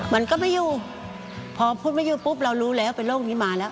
มันก็ไม่อยู่พอพูดไม่อยู่ปุ๊บเรารู้แล้วเป็นโรคนี้มาแล้ว